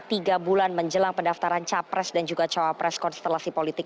tiga bulan menjelang pendaftaran capres dan juga cawapres konstelasi politik